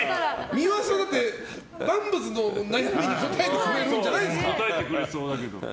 美輪さん、万物の悩みに答えてくれるんじゃないですか。